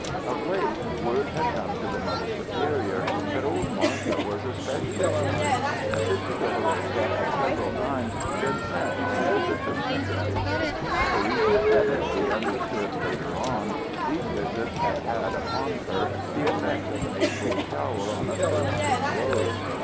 Of late word had come to the Mother Superior that old Martha was especially ailing, and Sister Dolorosa had several times been sent on visits of sympathy. For reasons better to be understood later on, these visits had had upon her the effect of an April shower on a thirsting rose.